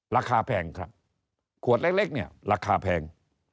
แพงครับขวดเล็กเนี่ยราคาแพง